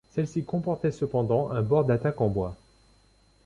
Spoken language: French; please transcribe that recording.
Celle-ci comportait cependant un bord d'attaque en bois.